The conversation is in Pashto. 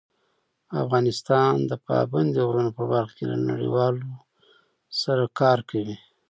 افغانستان د پابندي غرونو په برخه کې له نړیوالو سره کار کوي.